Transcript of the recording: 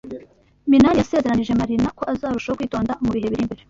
Minani yasezeranyije Marina ko azarushaho kwitonda mu bihe biri imbere.